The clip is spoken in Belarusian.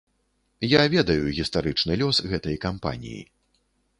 Я ведаю гістарычны лёс гэтай кампаніі.